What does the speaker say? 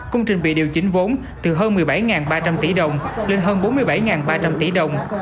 công trình bị điều chỉnh vốn từ hơn một mươi bảy ba trăm linh tỷ đồng lên hơn bốn mươi bảy ba trăm linh tỷ đồng